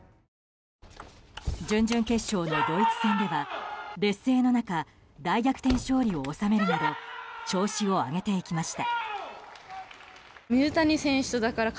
準々決勝のドイツ戦で劣勢の中大逆転勝利を収めるなど調子を上げていきました。